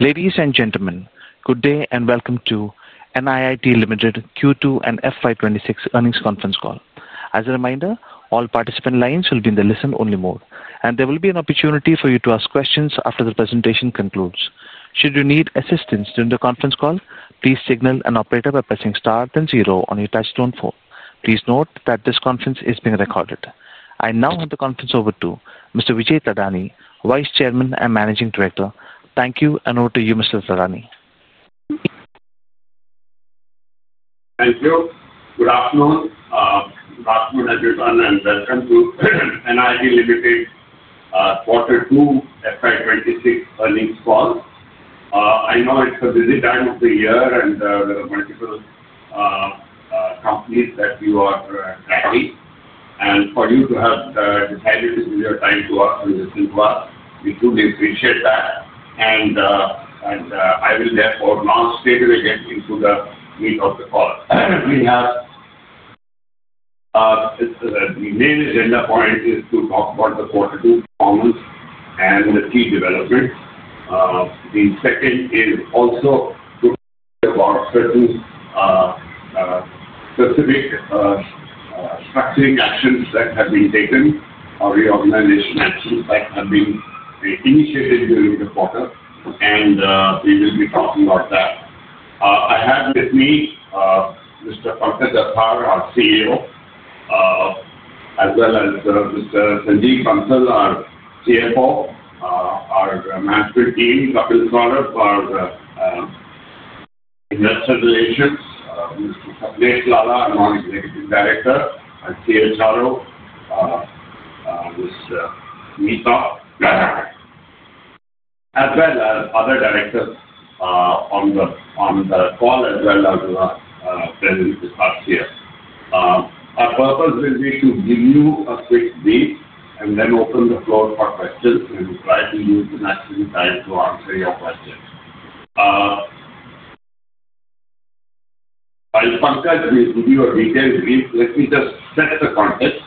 Ladies and gentlemen, good day and welcome to NIIT Limited Q2 and FY 2026 earnings conference call. As a reminder, all participant lines will be in the listen-only mode, and there will be an opportunity for you to ask questions after the presentation concludes. Should you need assistance during the conference call, please signal an operator by pressing star, then ZERO on your touchtone phone. Please note that this conference is being recorded. I now hand the conference over to Mr. Vijay Thadani, Vice Chairman and Managing Director. Thank you, and over to you, Mr. Thadani. Thank you. Good afternoon. Good afternoon everyone, and welcome to NIIT Limited Q2 FY 2026 earnings call. I know it's a busy time of the year, and there are multiple companies that you are driving. For you to have the time to give your time to us and listen to us, we truly appreciate that. I will therefore now straight away get into the meat of the call. We have the main agenda point to talk about the quarter two performance and the key developments. The second is also to talk about certain specific structuring actions that have been taken or reorganization actions that have been initiated during the quarter. We will be talking about that. I have with me Mr. Pankaj Jathar, our CEO, as well as Mr. Sanjeev Bansal, our CFO, our management team, Kapil Saurabh, our Investor Relations, Mr. Sapnesh Lalla, our Non-Executive Director and CHRO, Mr. Vijay Thadani, as well as other directors on the call, as well as present with us here. Our purpose will be to give you a quick brief and then open the floor for questions, and we'll try to use the maximum time to answer your questions. While Pankaj will give you a detailed brief, let me just set the context.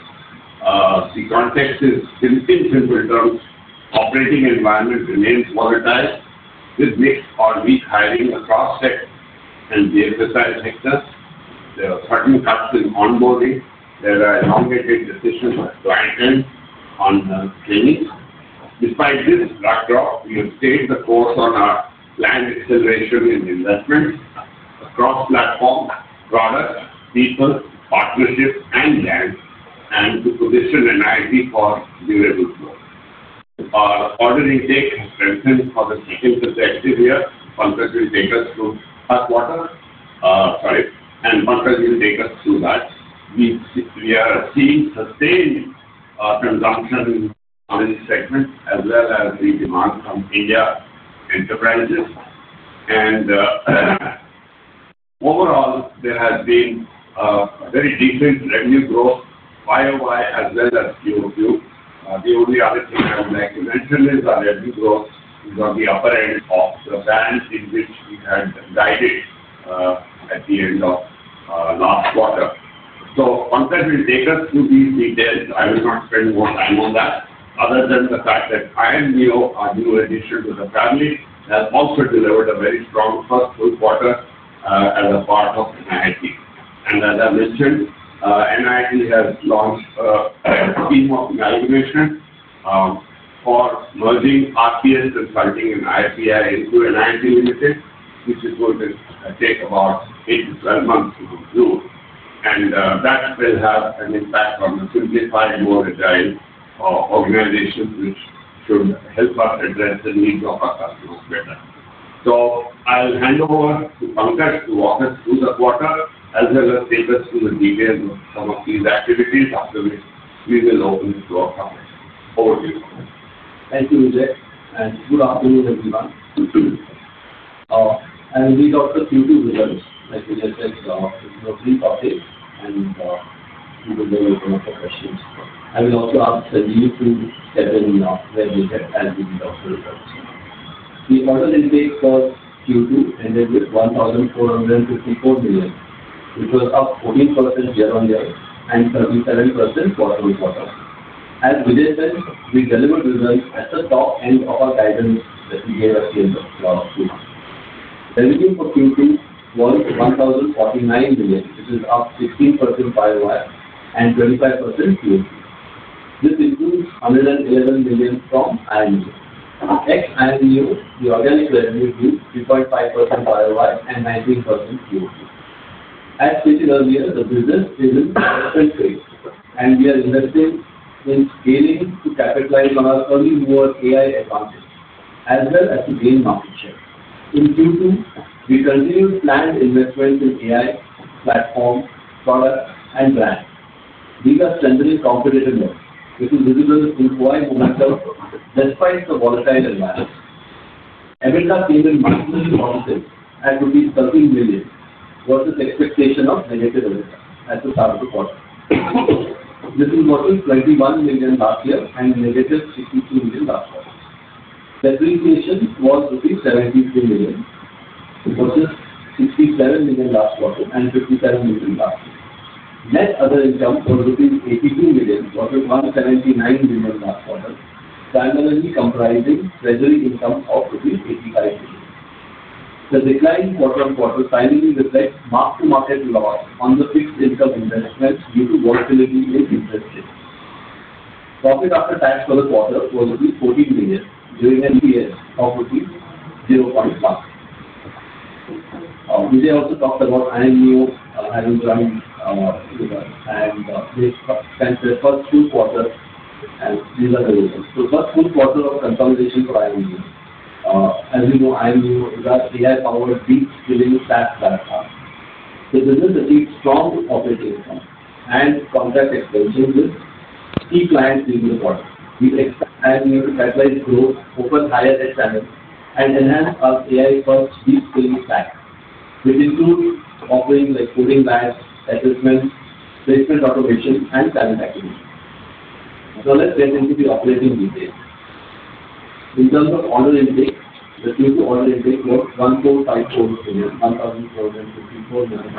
The context is simple, simple terms. Operating environment remains volatile. This makes our weak hiring a cross-sec and de-emphasized sector. There are certain cuts in onboarding. There are elongated decisions at client end on training. Despite this backdrop, we have stayed the course on our planned acceleration in investments across platform, product, people, partnerships, and brands to position NIIT for durable growth. Our order intake has strengthened for the second consecutive year. Pankaj will take us through that. We are seeing sustained consumption in our segment, as well as the demand from India enterprises. Overall, there has been very decent revenue growth, BYOY, as well as Q2. The only other thing I would like to mention is our revenue growth is on the upper end of the band in which we had guided at the end of last quarter. Pankaj will take us through these details. I will not spend more time on that, other than the fact that IMGO, our new addition to the family, has also delivered a very strong first full quarter as a part of NIIT. As I mentioned, NIIT has launched a team of evaluation for merging RPS Consulting and RSPI into NIIT Limited, which is going to take about 8 to 12 months to conclude. That will have an impact on the simplified, more agile organization, which should help us address the needs of our customers better. I'll hand over to Pankaj to walk us through the quarter, as well as take us through the details of some of these activities, after which we will open it to our public. Over to you. Thank you, Vijay. Good afternoon, everyone. I will read out the Q2 results, like Vijay said, in your brief update, and we will go over the questions. I will also ask Sanjeev to step in, where Vijay said he'll be the author of the results. The order intake for Q2 ended with 1,454 million, which was up 14% year-on-year and 37% quarter on quarter. As Vijay said, we delivered results at the top end of our guidance that we gave at the end of the last two months. Revenue for Q2 was 1,049 million, which is up 16% YoY and 25% QoQ. This includes 111 million from IMGO. Next, IMGO, the organic revenue grew 3.5% YoY and 19% QoQ. As stated earlier, the business is in a development phase, and we are investing in scaling to capitalize on our early-mover AI advantage, as well as to gain market share. In Q2, we continued planned investments in AI, platform, product, and brand. These are strengthening competitive edge, which is visible in OI momentum, despite the volatile environment. EBITDA came in marginally positive, at roughly 13 million, versus expectation of negative EBITDA at the start of the quarter. This is versus 21 million last year and negative 62 million last quarter. Depreciation was roughly rupees 73 million, versus 67 million last quarter and 57 million last year. Net other income was roughly rupees 82 million, versus 179 million last quarter, simultaneously comprising treasury income of roughly rupees 85 million. The decline quarter on quarter simultaneously reflects mark-to-market loss on the fixed income investment due to volatility in interest rates. Profit after tax for the quarter was roughly 14 million, during an EPS of roughly rupees 0.1. Vijay also talked about IMGO having joined, and they spent their first full quarter, and these are the results. First full quarter of consolidation for IMGO. As you know, IMGO is our AI-powered deep-skilling SaaS platform. The business achieved strong operating income and contract extension with key clients during the quarter. We expect IMGO to catalyze growth, open higher edge channels, and enhance our AI-first deep-skilling stack, which includes offerings like coding labs, assessments, placement automation, and talent acquisition. Let's get into the operating details. In terms of order intake, the Q2 order intake was 1,454 million, 1,454 million,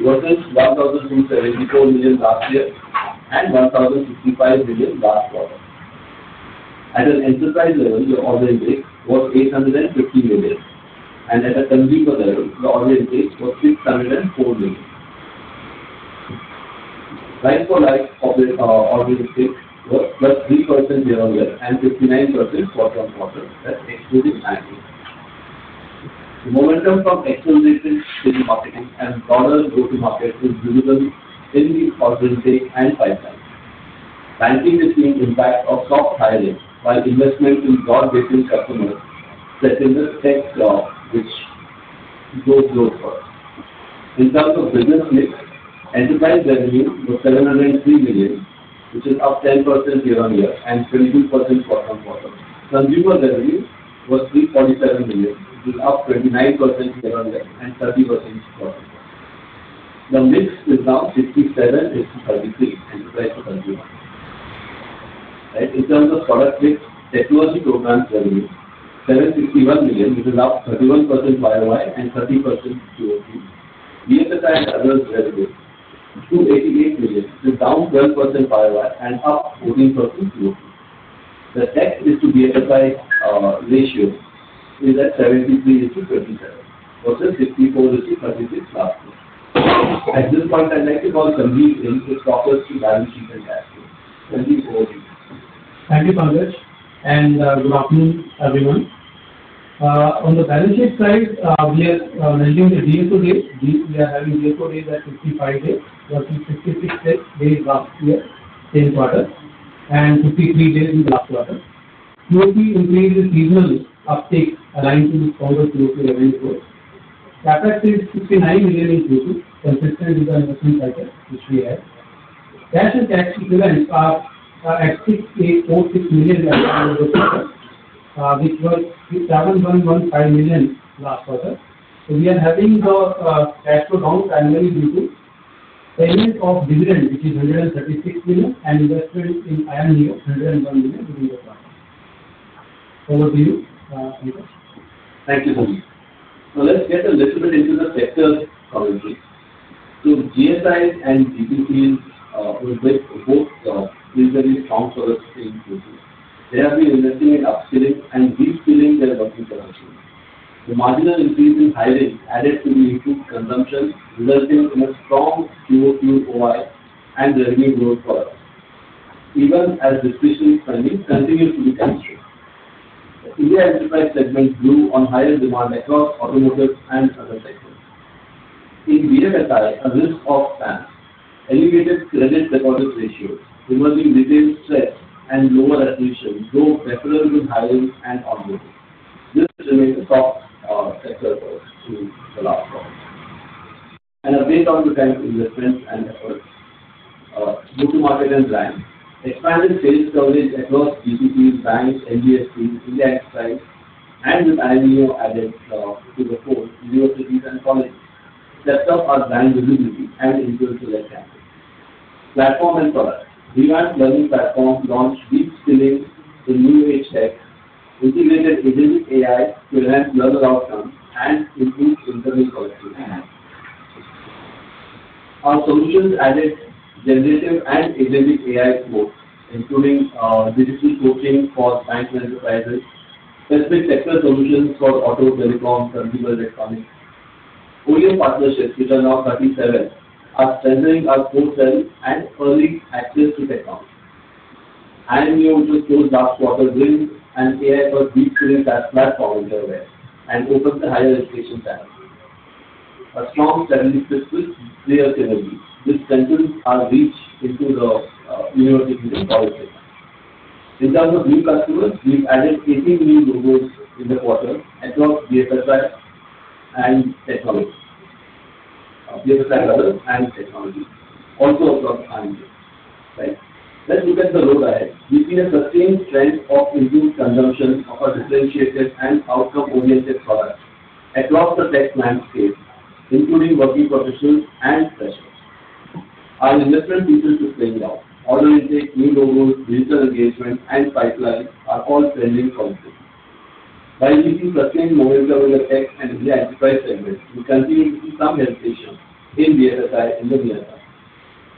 versus 1,274 million last year and 1,065 million last quarter. At an enterprise level, the order intake was 850 million, and at a consumer level, the order intake was 604 million. Price-for-life order intake was up 3% year-on-year and 59% quarter on quarter at exclusive timing. The momentum from extrinsic marketing and broader go-to-market is visible in the order intake and pipeline. Banking is seeing impact of soft hiring by investment in broad-basis customers, secondary tech jobs, which growth growth for us. In terms of business mix, enterprise revenue was 703 million, which is up 10% year-on-year and 22% quarter on quarter. Consumer revenue was 347 million, which is up 29% year-on-year and 30% quarter on quarter. The mix is now 57/43, enterprise to consumer. Right? In terms of product mix, technology programs revenue is 761 million, which is year-on-year and 30% quarter on quarter. BFSI and others revenue is INR 288 million, which is year-on-year and up 14% quarter on quarter. The tech to BFSI ratio is at 73/27, versus 54/46 last year. At this point, I'd like to call Sanjeev in with progress to balance sheet and cash flow. Sanjeev, over to you. Thank you, Pankaj. And good afternoon, everyone. On the balance sheet side, we are tracking the DSO days. We are having DSO days at 55 days, versus 66 days last year, same quarter, and 53 days in the last quarter. Q2 increased with seasonal uptake aligned to the stronger Q2 revenue growth. CapEx is 69 million in Q2, consistent with the investment cycle which we had. Cash and cash equivalents are at INR 646 million as per the Q2, which was INR 1,115 million last quarter. We are having the cash flow down primarily due to payment of dividend, which is 136 million, and investment in IMGO, 101 million during the quarter. Over to you, Pankaj. Thank you, Sanjeev. Let's get a little bit into the sector's economy. GSI and GPC were both reasonably strong for Q2. They have been investing in upskilling and deep-skilling their working personnel. The marginal increase in hiring added to the increased consumption, resulting in a strong Q2 order intake and revenue growth for us, even as decision spending continued to become strong. The India enterprise segment grew on higher demand across automotive and other segments. In BFSI, a risk-off stance, elevated credit deposit ratios, emerging retail stress, and lower attrition drove preferable hiring and onboarding. This remained the top sector for us during the last quarter, and a big on the kind of investments and efforts. Go-to-market and brand expanded sales coverage across GPCs, banks, NBFCs, India exercise, and with IMGO added to the fold, universities and colleges stepped up our brand visibility and influential example. Platform and product, RE/MAX learning platform launched deep-skilling in new age tech, integrated agentic AI to enhance learner outcomes and improve internal productivity. Our solutions added generative and agentic AI quotes, including digital coaching for banking enterprises, specific sector solutions for auto, telecom, consumer electronics. OEM partnerships, which are now 37, are strengthening our core sell and early access to tech comps. IMGO, which was closed last quarter, built an AI-first deep-skilling SaaS platform in their web and opened the higher education channels. A strong 76-plus player synergy strengthens our reach into the universities and college segments. In terms of new customers, we've added 18 new logos in the quarter across BFSI and technology, BFSI brothers and technology, also across IMGO. Let's look at the road ahead. We've seen a sustained strength of improved consumption of our differentiated and outcome-oriented products across the tech landscape, including working professionals and freshers. Our investment pieces to spring now. Order intake, new logos, digital engagement, and pipeline are all trending positively. While we see sustained momentum in the tech and India enterprise segment, we continue to see some hesitation in BFSI and the DFI.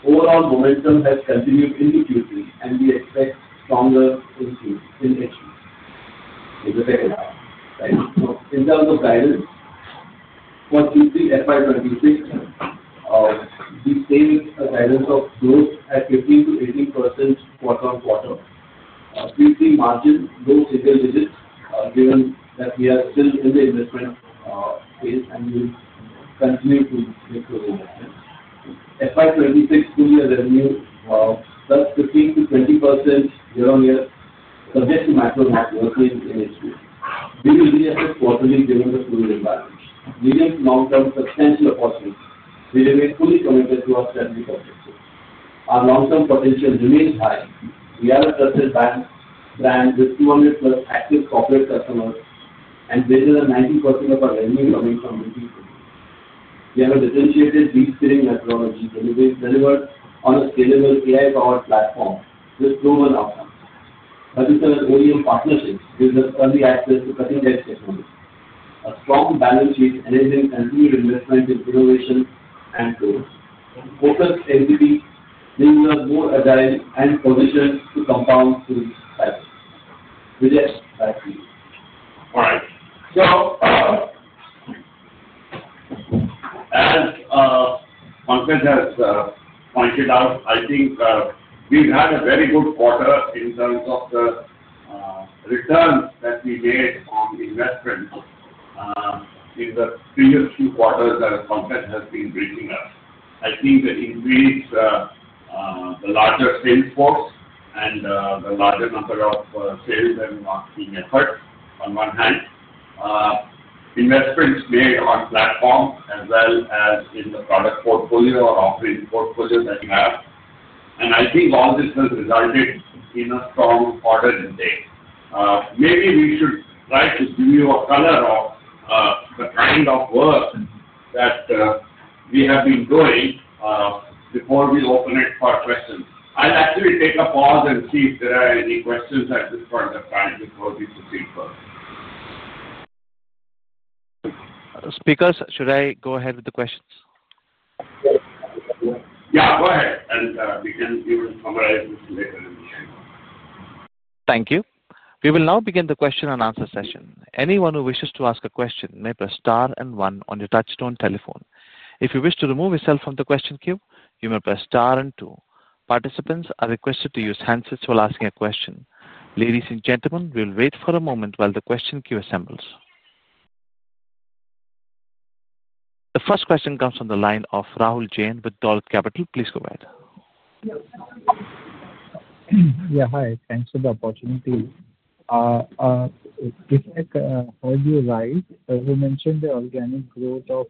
Overall momentum has continued into Q3, and we expect stronger increase in HQ in the second half. In terms of guidance for Q3 FY 2026, we stay with a guidance of growth at 15%-18% quarter on quarter. Q3 margins low single digits, given that we are still in the investment phase and will continue to make those investments. FY 2026 full-year revenue plus 15%-20% year-on-year, subject to macro networking in HQ. We will reassess quarterly given the fluid environment. Medium to long-term, substantial opportunity. We remain fully committed to our strategic objectives. Our long-term potential remains high. We are a trusted brand with 200-plus active corporate customers, and greater than 90% of our revenue is coming from retail consumers. We have a differentiated deep-skilling methodology delivered on a scalable AI-powered platform with proven outcomes. 37 OEM partnerships give us early access to cutting-edge technology. A strong balance sheet enabling continued investment in innovation and growth. Focused MVPs bring us more agile and positioned to compound through cycles. Vijay, back to you. All right. As Pankaj has pointed out, I think we've had a very good quarter in terms of the returns that we made on investment in the previous two quarters as Pankaj has been briefing us. I think the increase, the larger sales force and the larger number of sales and marketing efforts on one hand, investments made on platforms as well as in the product portfolio or offering portfolio that you have. I think all this has resulted in a strong order intake. Maybe we should try to give you a color of the kind of work that we have been doing before we open it for questions. I'll actually take a pause and see if there are any questions at this point of time before we proceed further. Speakers, should I go ahead with the questions? Go ahead. We can even summarize this later in the end. Thank you. We will now begin the question and answer session. Anyone who wishes to ask a question may press star and 1 on your touchtone telephone. If you wish to remove yourself from the question queue, you may press star and 2. Participants are requested to use handsets while asking a question. Ladies and gentlemen, we'll wait for a moment while the question queue assembles. The first question comes from the line of Rahul Jain with Alt Capital. Please go ahead. Yeah. Hi. Thanks for the opportunity. If I heard you right, Rahul mentioned the organic growth of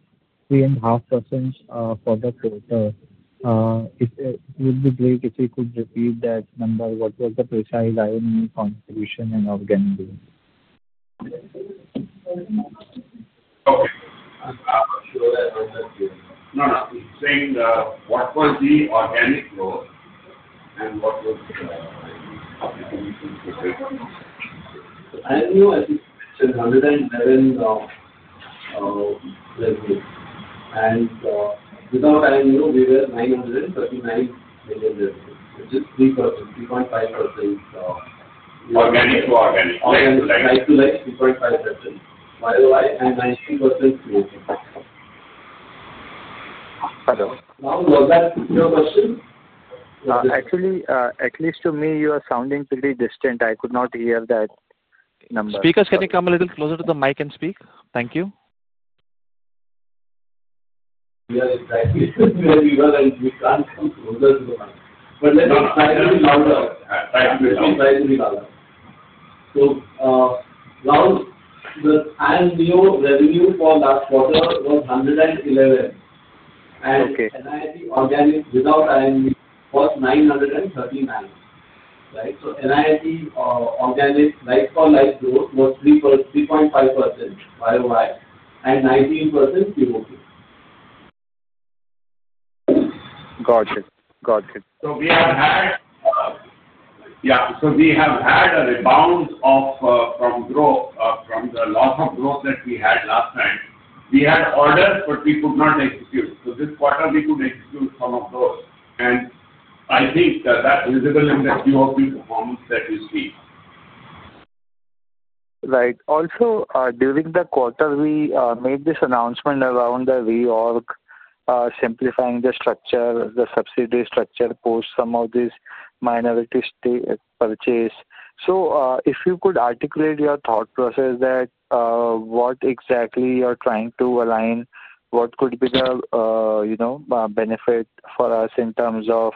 3.5% for the quarter. It would be great if you could repeat that number. What was the precise IMGO contribution in organic growth? He's saying what was the organic growth and what was the contribution to the? IMGO, as you mentioned, 111 million. Without IMGO, we were 939 million, which is 3%, 3.5%. Organic to organic. Organic to life. Organic. 3.5% BYOY and 19% QoQ. Now, was that your question? Actually, at least to me, you are sounding pretty distant. I could not hear that number. Speakers, can you come a little closer to the mic and speak? Thank you. We are exactly where we were, and we can't come closer to the mic. Let me try to be louder. Rahul, the IMGO revenue for last quarter was 111 million, and NIIT organic without IMGO was 939 million, right? NIIT organic like-for-like growth was 3.5% YoY and 19% QoQ. Got it. Got it. We have had a rebound from growth, from the loss of growth that we had last time. We had orders, but we could not execute. This quarter, we could execute some of those, and I think that that's visible in the Q2 performance that you see. Right. Also, during the quarter, we made this announcement around the reorg, simplifying the structure, the subsidiary structure, post some of these minority stake purchase. If you could articulate your thought process, what exactly you're trying to align, what could be the benefit for us in terms of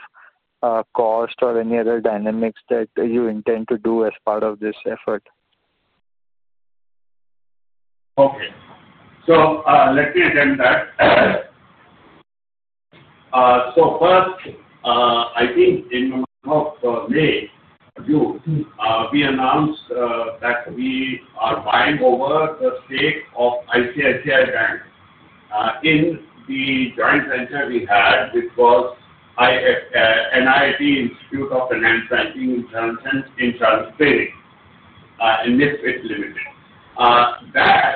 cost or any other dynamics that you intend to do as part of this effort? Okay. Let me attempt that. First, I think in the month of May, June, we announced that we are buying over the stake of ICICI Bank in the joint venture we had, which was NIIT Institute of Finance Banking & Insurance, NIIT Limited. That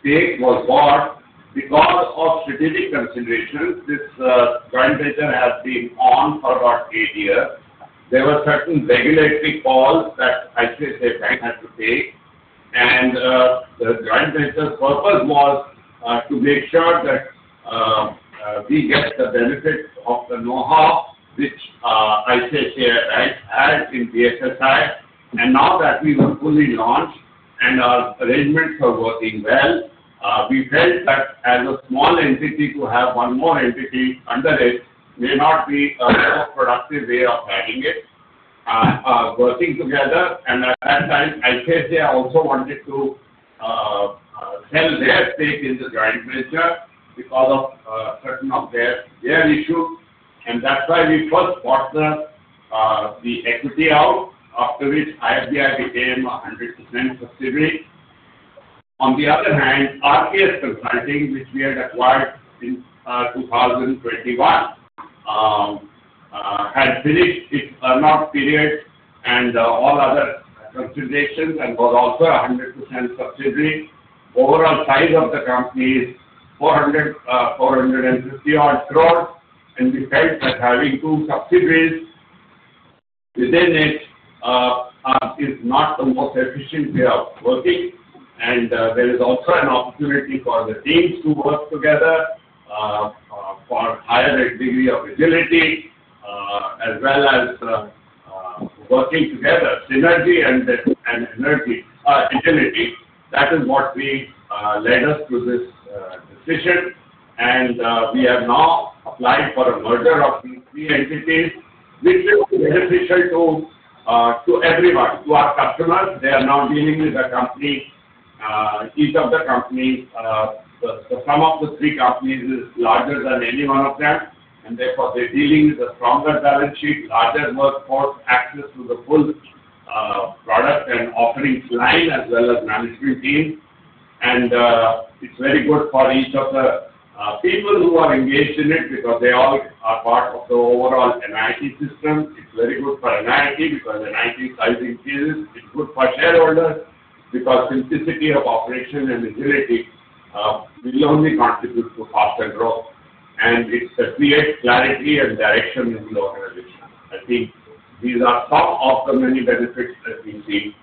stake was bought because of strategic considerations. This joint venture has been on for about eight years. There were certain regulatory calls that ICICI Bank had to take. The joint venture's purpose was to make sure that we get the benefits of the know-how which ICICI Bank had in BFSI. Now that we have fully launched and our arrangements are working well, we felt that as a small entity, to have one more entity under it may not be a more productive way of having it working together. At that time, ICICI also wanted to sell their stake in the joint venture because of certain of their share issue. That's why we first bought the equity out, after which IFBI became a 100% subsidiary. On the other hand, RPS Consulting, which we had acquired in 2021, had finished its run-off period and all other considerations and was also a 100% subsidiary. The overall size of the company is 450-odd crores. We felt that having two subsidiaries within it is not the most efficient way of working. There is also an opportunity for the teams to work together for a higher degree of agility, as well as working together, synergy and energy, agility. That is what led us to this decision. We have now applied for a merger of these three entities, which is beneficial to everyone, to our customers. They are now dealing with a company, each of the companies, the sum of the three companies is larger than any one of them. Therefore, they're dealing with a stronger balance sheet, larger workforce, access to the full product and offerings line, as well as management teams. It's very good for each of the people who are engaged in it because they all are part of the overall NIIT system. It's very good for NIIT because NIIT's size increases. It's good for shareholders because simplicity of operation and agility will only contribute to faster growth. It's a clear clarity and direction in the organization. I think these are some of the many benefits that we've seen,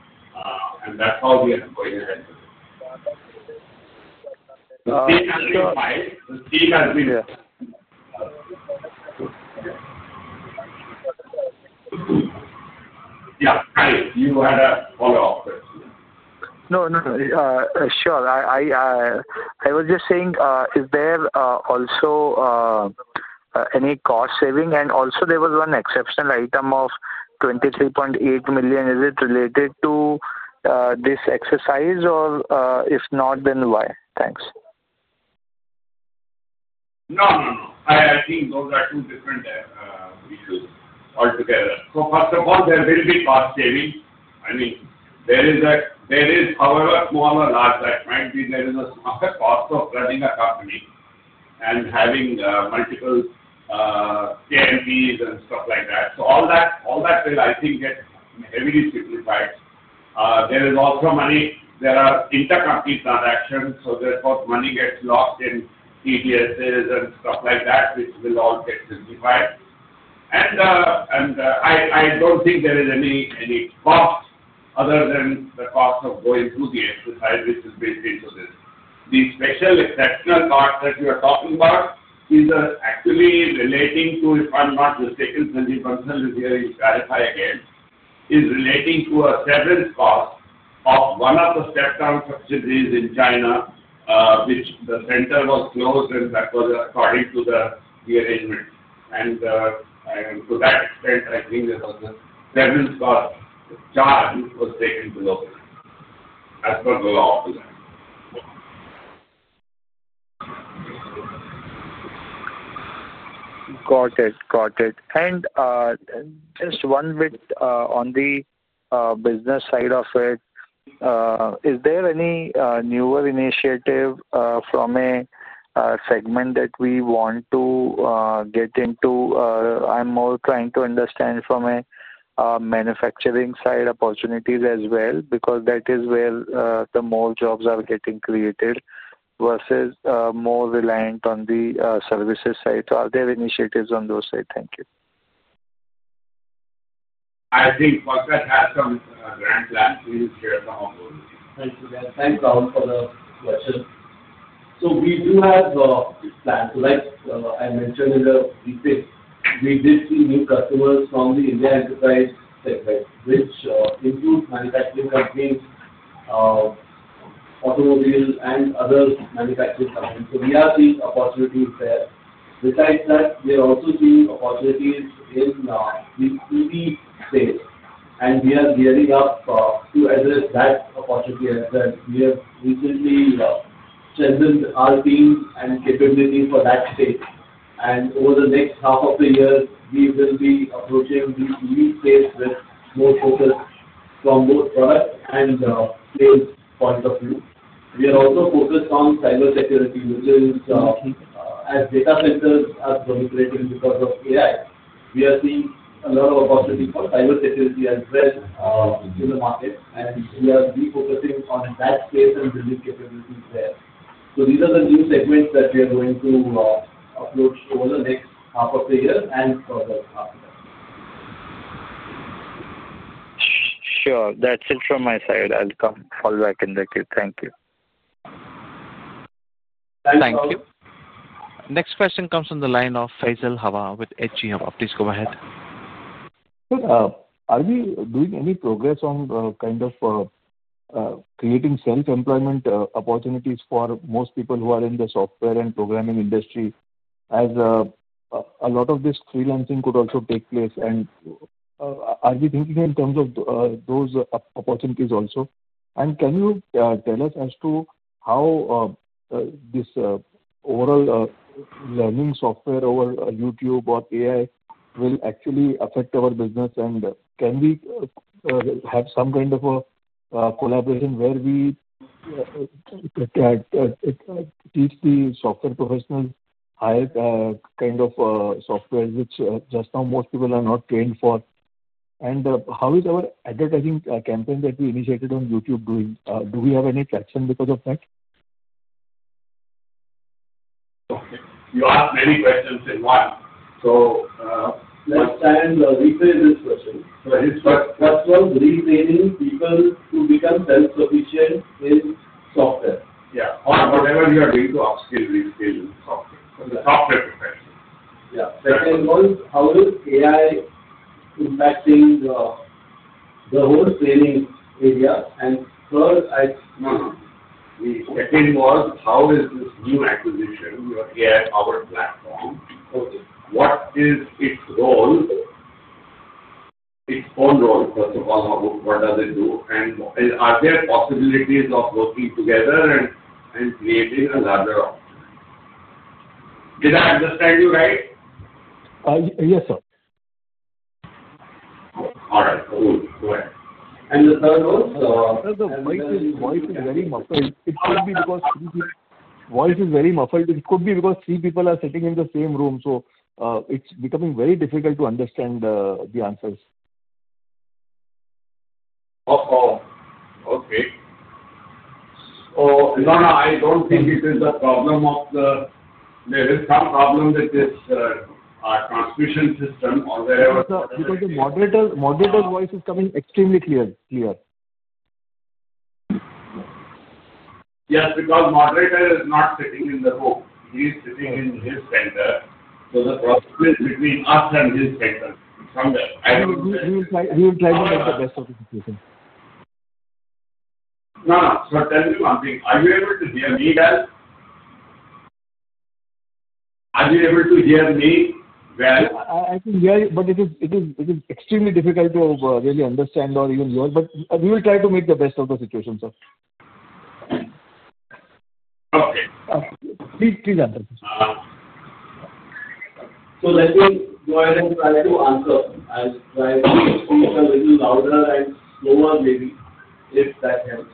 and that's how we are going ahead with it. The team has been fine. Yeah, hi. You had a follow-up question. Yeah. No, sure. I was just saying, is there also any cost saving? Also, there was one exceptional item of 23.8 million. Is it related to this exercise? If not, then why? Thanks. No, I think those are two different issues altogether. First of all, there will be cost savings. I mean, there is, however small or large that might be, a smaller cost of running a company and having multiple KMPs and stuff like that. All that will, I think, get heavily simplified. There is also money. There are intercompany transactions, so therefore, money gets lost in TDSs and stuff like that, which will all get simplified. I don't think there is any cost other than the cost of going through the exercise, which is basically this. The special exceptional cost that you are talking about is actually relating to, if I'm not mistaken, Sanjeev Bansal is here, he'll clarify again, is relating to a severance cost of one of the step-down subsidiaries in China, which the center was closed, and that was according to the arrangement. To that extent, I think there was a severance cost charge which was taken to local level. That's not the law of the time. Got it. Just one bit on the business side of it. Is there any newer initiative from a segment that we want to get into? I'm more trying to understand from a manufacturing side opportunities as well because that is where more jobs are getting created versus more reliant on the services side. Are there initiatives on those sides? Thank you. I think Pankaj Jathar has some grand plans. We will share some of those. Thanks, Vijay. Thanks, Rahul, for the question. We do have a plan. Like I mentioned in the briefing, we did see new customers from the India enterprise segment, which includes manufacturing companies, automobile, and other manufacturing companies. We are seeing opportunities there. Besides that, we are also seeing opportunities in the 3D space, and we are gearing up to address that opportunity as well. We have recently strengthened our teams and capabilities for that space. Over the next half of the year, we will be approaching the 3D space with more focus from both product and sales point of view. We are also focused on cybersecurity, which is, as data centers are proliferating because of AI, we are seeing a lot of opportunity for cybersecurity as well in the market. We are re-focusing on that space and building capabilities there. These are the new segments that we are going to approach over the next half of the year and further after that. Sure, that's it from my side. I'll come follow up in the queue. Thank you. Thank you. Thank you. Next question comes from the line of Faisal Hawa with H.G. Hawa. Please go ahead. Sure. Are we doing any progress on creating self-employment opportunities for most people who are in the software and programming industry, as a lot of this freelancing could also take place? Are we thinking in terms of those opportunities also? Can you tell us as to how this overall learning software over YouTube or AI will actually affect our business? Can we have some kind of a collaboration where we teach the software professionals how kind of software which just now most people are not trained for? How is our advertising campaign that we initiated on YouTube doing? Do we have any traction because of that? You have many questions in one. Let's. Can I rephrase this question? Go ahead. First was retraining people to become self-sufficient in software. Yeah, or whatever you are doing to upskill, reskill in software, software professionals. Yeah. Second was how is AI impacting the whole training area? Third, I. No, no. The second was how is this new acquisition, your AI-powered platform, okay, what is its role, its own role, first of all, what does it do? Are there possibilities of working together and creating a larger opportunity? Did I understand you right? Yes, sir. All right, Rahul, go ahead. The third is voice is very muffled. It could be because three people are sitting in the same room. It's becoming very difficult to understand the answers. Okay. I don't think it is the problem; there is some problem with this transmission system or wherever. No, because the moderator voice is coming extremely clear. Yes, because the moderator is not sitting in the room. He is sitting in his center. The problem is between us and his center. We will try to make the best of the situation. Tell me one thing. Are you able to hear me well? Are you able to hear me well? I can hear you, but it is extremely difficult to really understand or even hear. We will try to make the best of the situation, sir. Okay. Please answer. Let me go ahead and try to answer. I'll try to speak a little louder and slower, maybe, if that helps.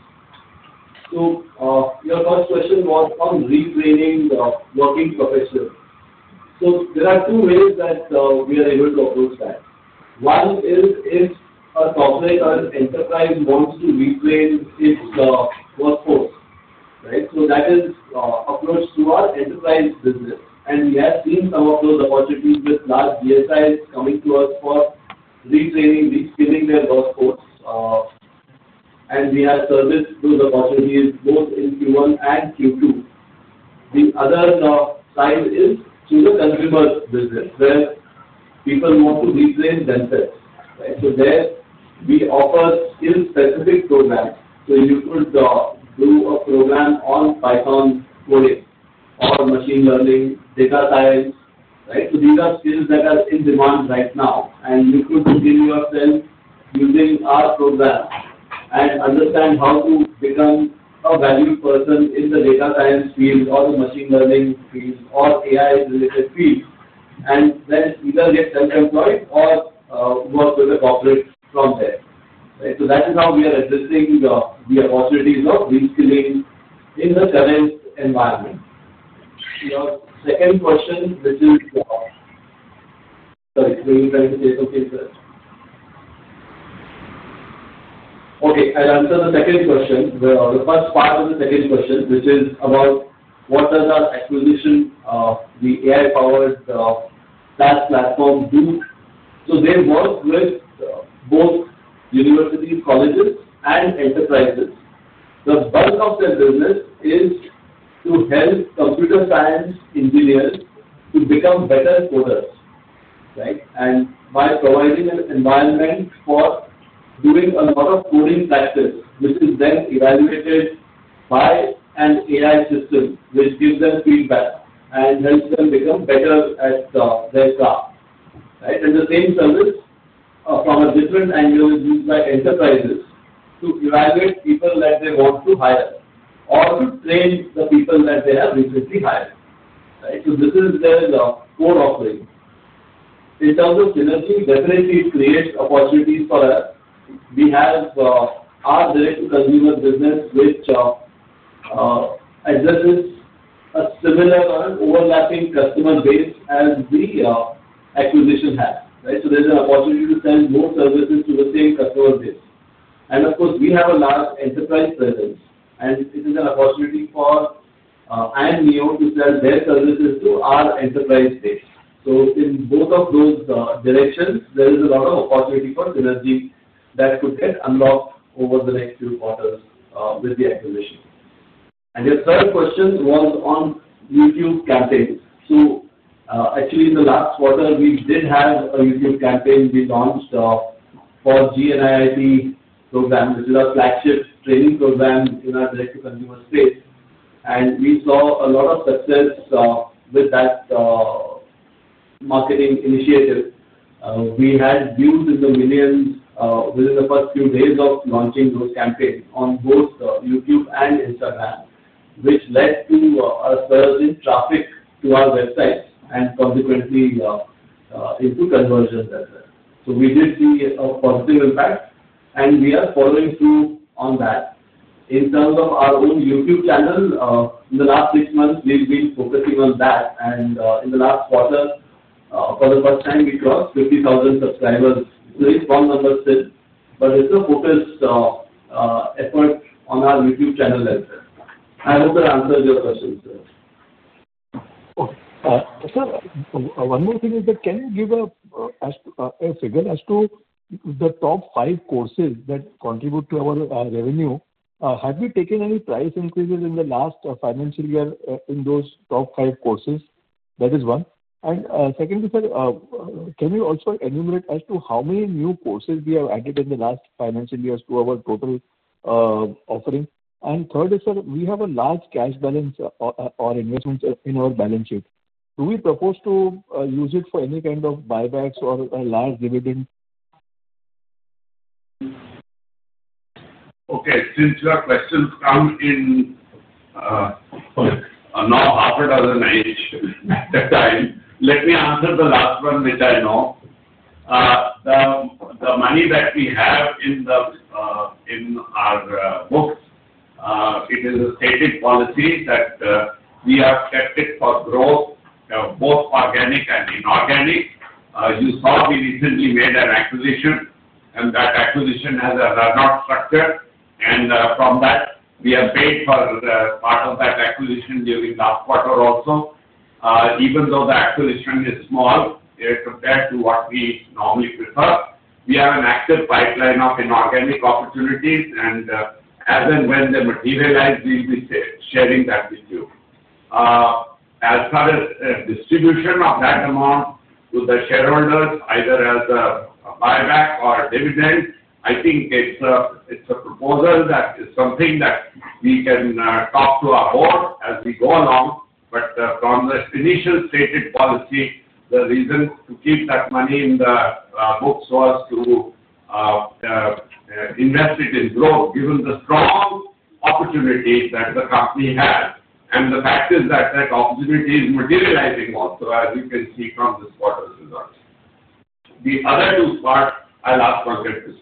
Your first question was on retraining the working professionals. There are two ways that we are able to approach that. One is if a software or an enterprise wants to retrain its workforce, right? That is approached through our enterprise business. We have seen some of those opportunities with large DFIs coming to us for retraining, reskilling their workforce. We have serviced those opportunities both in Q1 and Q2. The other side is the consumer business where people want to retrain themselves, right? There, we offer skill-specific programs. You could do a program on Python coding or machine learning, data science, right? These are skills that are in demand right now. You could retrain yourself using our program and understand how to become a valued person in the data science field or the machine learning field or AI-related fields, and then either get self-employed or work with a corporate from there, right? That is how we are addressing the opportunities of reskilling in the current environment. Your second question, which is, sorry, where are you trying to take off, sir? I'll answer the second question, the first part of the second question, which is about what does our acquisition of the AI-powered SaaS platform do? They work with both universities, colleges, and enterprises. The bulk of their business is to help computer science engineers to become better coders, right? By providing an environment for doing a lot of coding practice, which is then evaluated by an AI system, which gives them feedback and helps them become better at their tasks, right? The same service, from a different angle, is used by enterprises to evaluate people that they want to hire or to train the people that they have recently hired, right? This is their core offering. In terms of synergy, definitely, it creates opportunities for us. We have our direct-to-consumer business, which addresses a similar or an overlapping customer base as the acquisition has, right? There is an opportunity to sell more services to the same customer base. Of course, we have a large enterprise presence, and it is an opportunity for IMGO to sell their services to our enterprise base. In both of those directions, there is a lot of opportunity for synergy that could get unlocked over the next few quarters with the acquisition. Your third question was on YouTube campaigns. Actually, in the last quarter, we did have a YouTube campaign. We launched a 4 gNIIT program, which is our flagship training program in our direct-to-consumer space. We saw a lot of success with that marketing initiative. We had views in the millions within the first few days of launching those campaigns on both YouTube and Instagram, which led to a surge in traffic to our websites and, consequently, into conversions as well. We did see a positive impact, and we are following through on that. In terms of our own YouTube channel, in the last six months, we've been focusing on that. In the last quarter, for the first time, we crossed 50,000 subscribers. It's one number still, but it's a focused effort on our YouTube channel as well. I hope that answers your question, sir. Okay. Sir, one more thing is that can you give us a figure as to the top five courses that contribute to our revenue? Have we taken any price increases in the last financial year in those top five courses? That is one. Secondly, sir, can you also enumerate as to how many new courses we have added in the last financial years to our total offering? Thirdly, sir, we have a large cash balance or investments in our balance sheet. Do we propose to use it for any kind of buybacks or a large dividend? Okay. Since your question comes in, now half a dozen at a time, let me answer the last one which I know. The money that we have in our books, it is a stated policy that we have kept it for growth, both organic and inorganic. You saw we recently made an acquisition, and that acquisition has a run-off structure. From that, we have paid for part of that acquisition during last quarter also. Even though the acquisition is small compared to what we normally prefer, we have an active pipeline of inorganic opportunities. As and when they materialize, we'll be sharing that with you. As far as a distribution of that amount to the shareholders, either as a buyback or dividend, I think it's a proposal that is something that we can talk to our board as we go along. From the initial stated policy, the reason to keep that money in the books was to invest it in growth, given the strong opportunity that the company has. The fact is that opportunity is materializing also, as you can see from this quarter's results. The other two parts, I'll ask Pankaj.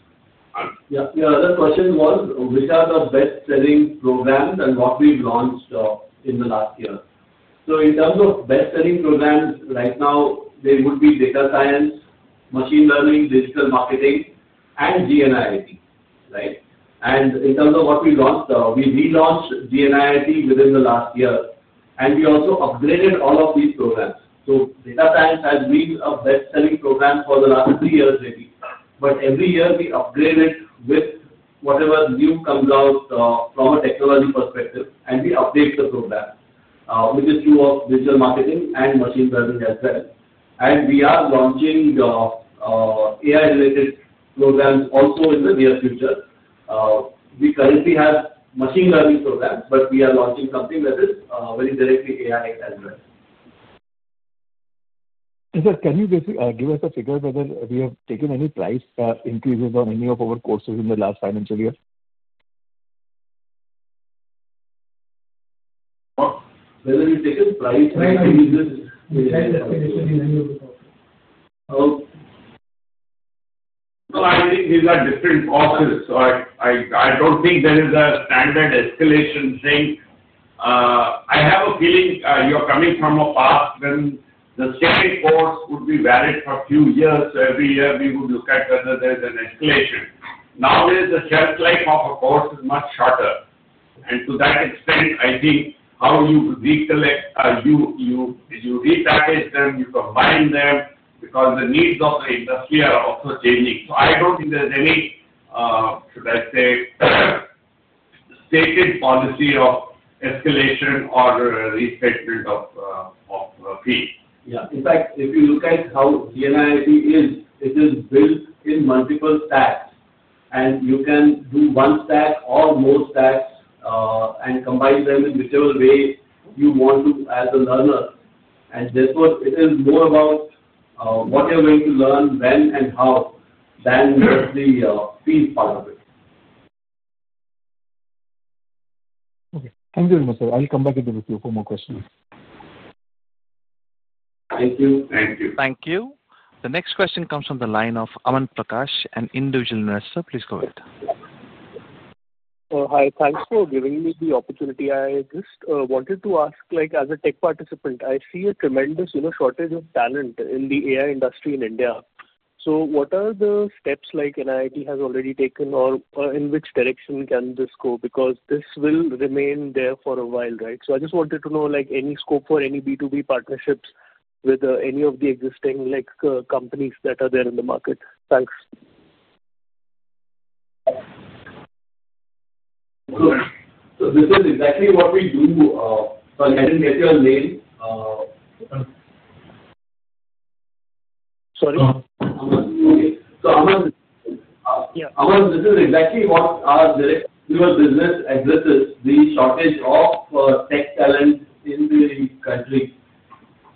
Yeah. The other question was which are the best-selling programs and what we've launched in the last year. In terms of best-selling programs right now, they would be data science, machine learning, digital marketing, and GNIIT, right? In terms of what we launched, we relaunched GNIIT within the last year. We also upgraded all of these programs. Data science has been a best-selling program for the last three years maybe. Every year, we upgrade it with whatever new comes out from a technology perspective. We update the program, which is through digital marketing and machine learning as well. We are launching AI-related programs also in the near future. We currently have machine learning programs, but we are launching something that is very directly AI as well. Sir, can you basically give us a figure whether we have taken any price increases on any of our courses in the last financial year? Whether we've taken price increases? Any of the courses. I think these are different courses. I don't think there is a standard escalation thing. I have a feeling you're coming from a past when the second course would be valid for a few years. Every year, we would look at whether there's an escalation. Nowadays, the shelf life of a course is much shorter. To that extent, I think how you recollect, you repackage them, you combine them because the needs of the industry are also changing. I don't think there's any, should I say, stated policy of escalation or restagnant of fees. Yeah. In fact, if you look at how GNIIT is, it is built in multiple stacks. You can do one stack or more stacks, and combine them in whichever way you want to as a learner. Therefore, it is more about what you're going to learn, when, and how than just the fees part of it. Okay. Thank you very much, sir. I'll come back in the queue for more questions. Thank you. Thank you. Thank you. The next question comes from the line of Aman Prakash, an individual investor. Please go ahead. Hi. Thanks for giving me the opportunity. I just wanted to ask, like as a tech participant, I see a tremendous, you know, shortage of talent in the AI industry in India. What are the steps NIIT has already taken, or in which direction can this go? This will remain there for a while, right? I just wanted to know, like any scope for any B2B partnerships with any of the existing, like, companies that are there in the market? Thanks. This is exactly what we do. Sorry, I didn't get your name. Sorry? Aman. Okay. Aman, this is exactly what our direct-to-consumer business addresses, the shortage of tech talent in the country.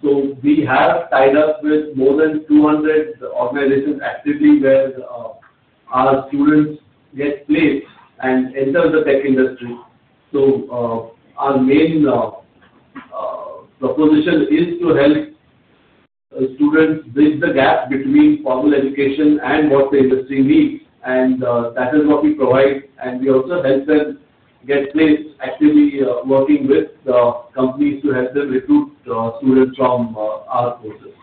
We have tied up with more than 200 organizations actively where our students get placed and enter the tech industry. Our main proposition is to help students bridge the gap between formal education and what the industry needs. That is what we provide. We also help them get placed actively, working with the companies to help them recruit students from our courses.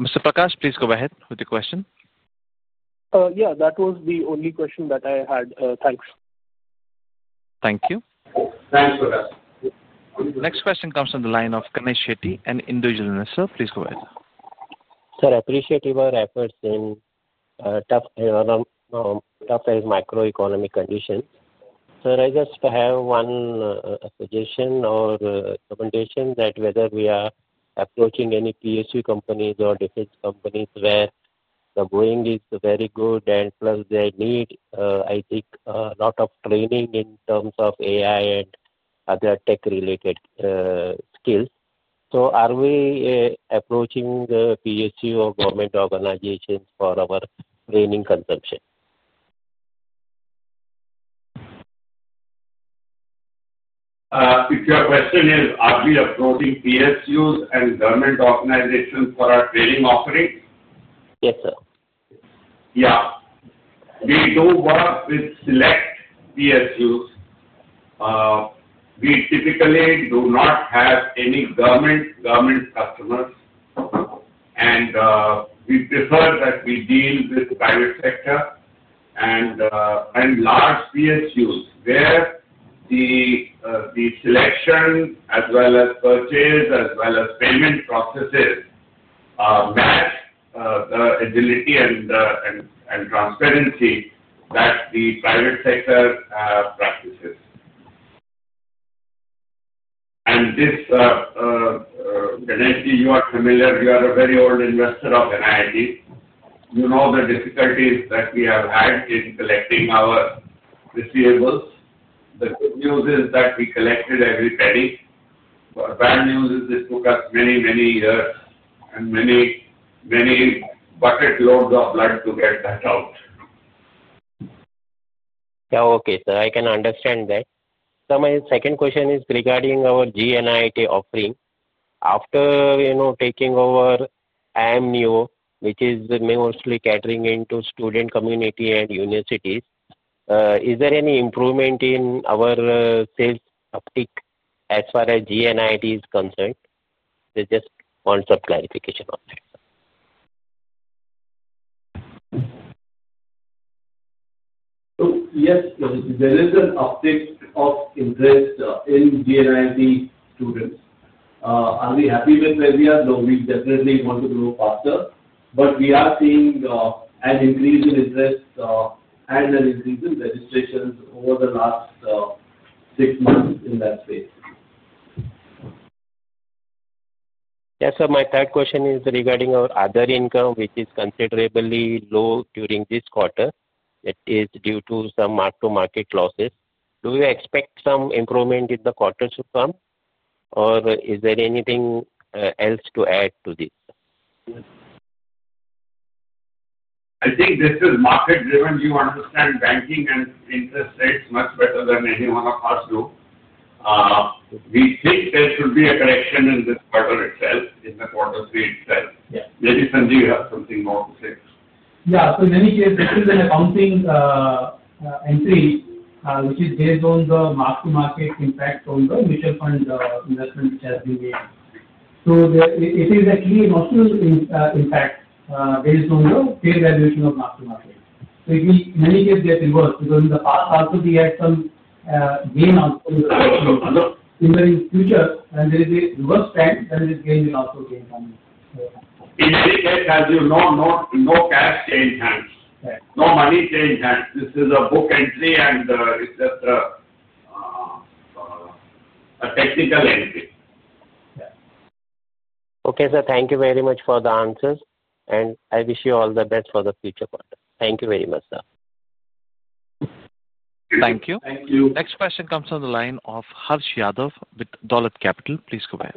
Mr. Prakash, please go ahead with the question. Yeah, that was the only question that I had. Thanks. Thank you. Thanks, Prakash. Next question comes from the line of Kanesh Shetty, an individual investor. Please go ahead. Sir, I appreciate your efforts in tough, tough macroeconomic conditions. Sir, I just have one suggestion or recommendation that whether we are approaching any PSU companies or defense companies where the volume is very good, and plus they need, I think, a lot of training in terms of AI and other tech-related skills. Are we approaching the PSU or government organizations for our training consumption? Your question is, are we approaching PSUs and government organizations for our training offerings? Yes, sir. Yeah. We do work with select PSUs. We typically do not have any government customers. We prefer that we deal with private sector and large PSUs where the selection, purchase, and payment processes match the agility and transparency that the private sector practices. Kanesh, you are familiar. You are a very old investor of NIIT. You know the difficulties that we have had in collecting our receivables. The good news is that we collected every penny. The bad news is it took us many, many years and many, many bucket loads of blood to get that out. Yeah. Okay, sir. I can understand that. Sir, my second question is regarding our GNIIT offering. After you know taking over IMGO, which is mostly catering into student community and universities, is there any improvement in our sales uptake as far as GNIIT is concerned? There's just a concept clarification on that. Yes, there is an uptake of interest in GNIIT students. Are we happy with where we are? No, we definitely want to grow faster. We are seeing an increase in interest and an increase in registrations over the last six months in that space. Yeah. Sir, my third question is regarding our other income, which is considerably low during this quarter. It is due to some mark-to-market losses. Do you expect some improvement in the quarter to come? Is there anything else to add to this? I think this is market-driven. You understand banking and interest rates much better than any one of us do. We think there should be a correction in this quarter itself, in Q3 itself. Maybe Sanjeev, you have something more to say. Yeah. In any case, this is an accounting entry, which is based on the mark-to-market impact on the mutual fund investment which has been made. It is actually an optional impact based on the fair valuation of mark-to-market. It will, in any case, get reversed because in the past, also, we had some gain also in the first quarter. In the future, when there is a reverse trend, then this gain will also gain from it. In any case, as you know, no cash changed hands. No money changed hands. This is a book entry, and it's just a technical entry. Okay, sir. Thank you very much for the answers. I wish you all the best for the future quarter. Thank you very much, sir. Thank you. Thank you. Next question comes from the line of Harsh Yadav with Dolat Capital. Please go ahead.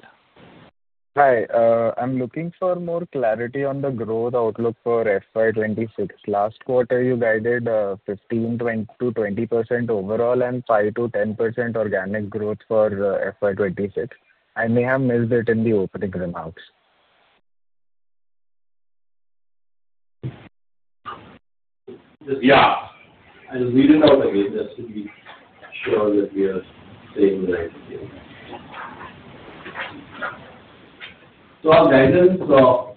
Hi. I'm looking for more clarity on the growth outlook for FY 2026. Last quarter, you guided 15%-20% overall and 5%-10% organic growth for FY 2026. I may have missed it in the opening remarks. I just needed out a data. That should be sure that we are saying the right thing. Our guidance for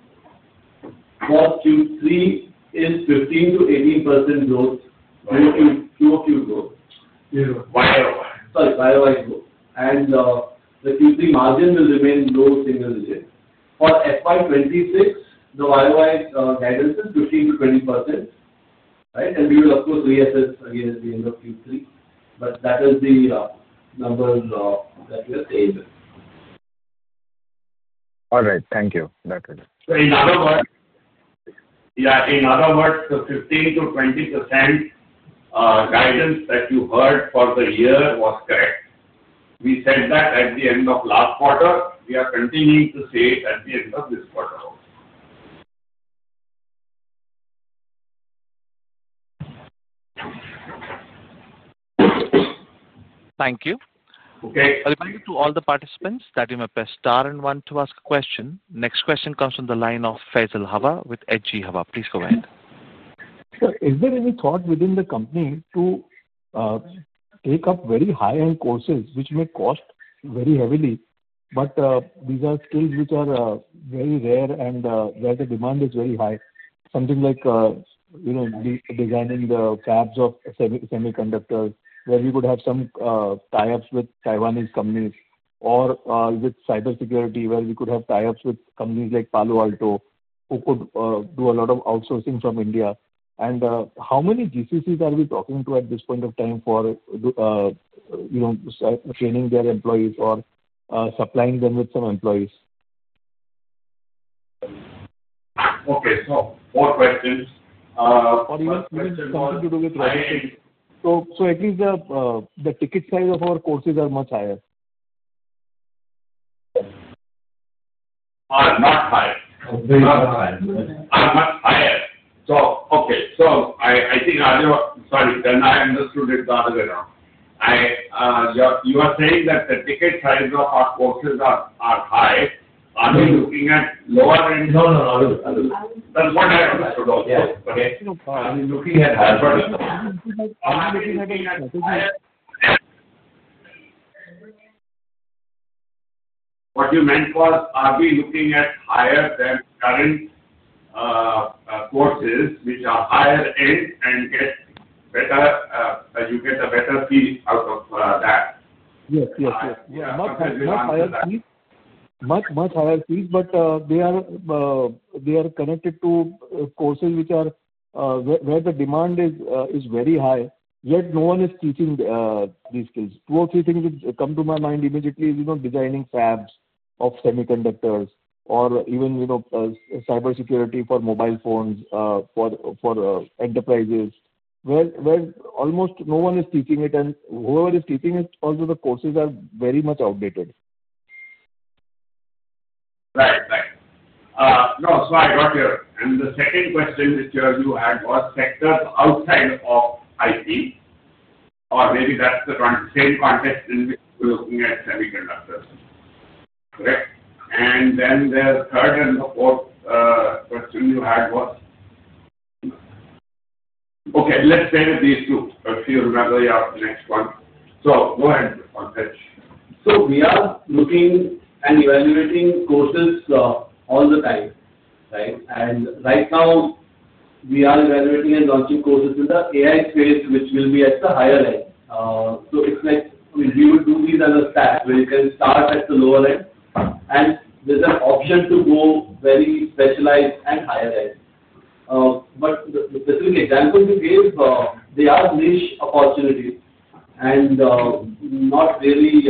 Q3 is 15%-18% growth due to Q2 growth. Yeah. YOY. Sorry, YoY growth. The Q3 margin will remain low single digit. For FY 2026, the YoY guidance is 15% to 20%, right? We will, of course, reassess again at the end of Q3. That is the number that we are staying with. All right. Thank you. In other words, the 15% to 20% guidance that you heard for the year was correct. We said that at the end of last quarter. We are continuing to say it at the end of this quarter also. Thank you. Okay. I'll remind you to all the participants that you may press star and 1 to ask a question. Next question comes from the line of Faisal Hawa with HG Hawa. Please go ahead. Sir, is there any thought within the company to take up very high-end courses, which may cost very heavily, but these are skills which are very rare and where the demand is very high? Something like, you know, designing the fabs of semiconductors where we could have some tie-ups with Taiwanese companies or with cybersecurity where we could have tie-ups with companies like Palo Alto who could do a lot of outsourcing from India. How many GCCs are we talking to at this point of time for, you know, training their employees or supplying them with some employees? Okay, more questions. Even something to do with robotics. At least the ticket size of our courses are much higher. Not high. Not high. Are much higher. Okay, I think, sorry, I understood it the other way around. You are saying that the ticket size of our courses are high. Are we looking at lower? No, no, no. That's what I understood also. Okay. Are we looking at higher? What you meant was, are we looking at higher than current courses which are higher-end and get better? You get a better fee out of that? Yes, yes, yes. Much higher fees. Much, much higher fees, but they are connected to courses which are where the demand is very high, yet no one is teaching these skills. Two or three things which come to my mind immediately is designing fabs of semiconductors or even cybersecurity for mobile phones for enterprises where almost no one is teaching it. Whoever is teaching it, also the courses are very much outdated. Right. No, sorry. Got you. The second question which you had was sectors outside of IT, or maybe that's the same context in which we're looking at semiconductors, correct? The third and the fourth question you had was, okay, let's say that these two. If you remember your next one. Go ahead, Pankaj. We are looking and evaluating courses all the time, right? Right now, we are evaluating and launching courses in the AI space, which will be at the higher end. It's like, I mean, we would do these as a stack where you can start at the lower end, and there's an option to go very specialized and higher end. The specific examples you gave, they are niche opportunities and not really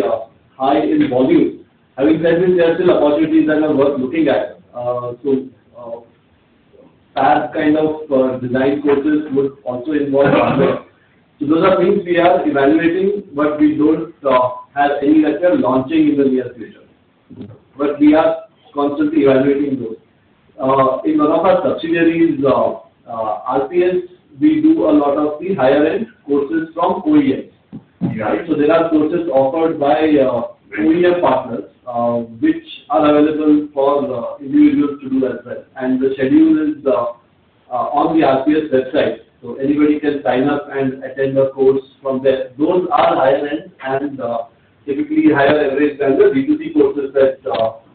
high in volume. There are still opportunities that are worth looking at. Fab kind of design courses would also involve others. Those are things we are evaluating, but we don't have any that we are launching in the near future. We are constantly evaluating those. In one of our subsidiaries, RPS Consulting, we do a lot of the higher-end courses from OEMs, right? There are courses offered by OEM partners, which are available for individuals to do as well, and the schedule is on the RPS Consulting website. Anybody can sign up and attend the course from there. Those are higher-end and typically higher average than the B2C courses that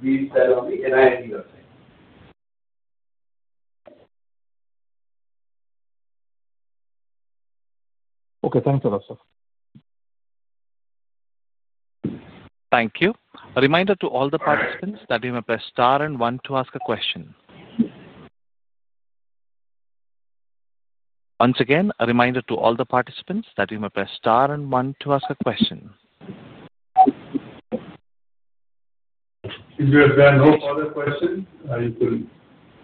we sell on the NIIT Limited website. Okay, thanks a lot, sir. Thank you. A reminder to all the participants that you may press star and 1 to ask a question. Once again, a reminder to all the participants that you may press star and 1 to ask a question. Since there are no further questions, I will.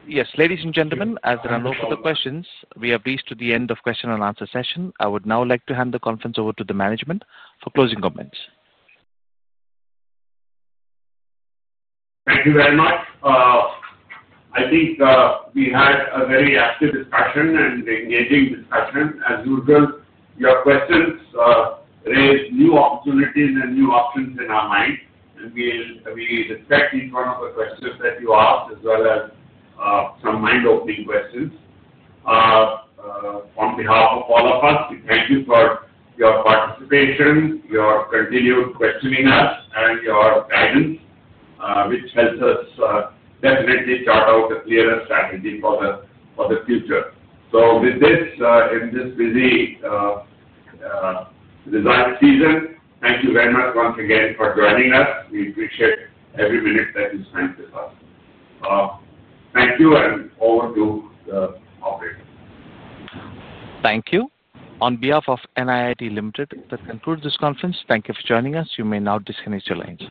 Yes, ladies and gentlemen, as there are no further questions, we have reached the end of the question and answer session. I would now like to hand the conference over to the management for closing comments. Thank you very much. I think we had a very active and engaging discussion. As usual, your questions raise new opportunities and new options in our mind. We respect each one of the questions that you asked, as well as some mind-opening questions. On behalf of all of us, we thank you for your participation, your continued questioning us, and your guidance, which helps us definitely chart out a clearer strategy for the future. With this, in this busy design season, thank you very much once again for joining us. We appreciate every minute that you spend with us. Thank you and over to the operator. Thank you. On behalf of NIIT Limited, that concludes this conference. Thank you for joining us. You may now disconnect your lines.